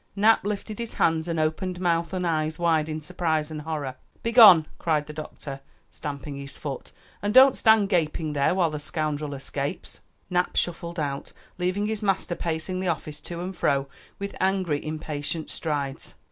Nap lifted his hands and opened mouth and eyes wide in surprise and horror. "Begone!" cried the doctor, stamping his foot, "and don't stand gaping there while the scoundrel escapes." Nap shuffled out, leaving his master pacing the office to and fro with angry, impatient strides.